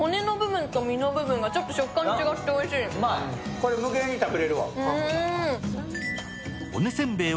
これ、無限に食べれるわ。